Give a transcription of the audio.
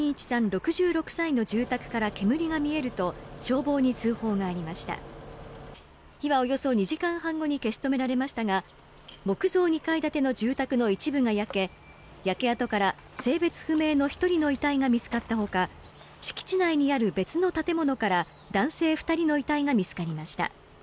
６６歳の住宅から煙が見えると消防に通報がありました火はおよそ２時間半後に消し止められましたが木造２階建ての住宅の一部が焼け焼け跡から性別不明の一人の遺体が見つかったほか敷地内にある別の建物から男性二人の遺体が見つかりました